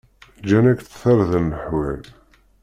Gǧan-ak-d tarda leḥwal.